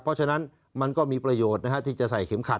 เพราะฉะนั้นมันก็มีประโยชน์ที่จะใส่เข็มขัด